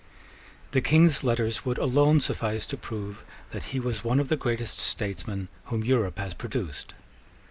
The King's letters would alone suffice to prove that he was one of the greatest statesmen whom Europe has produced.